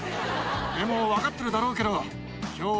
でも分かってるだろうけど。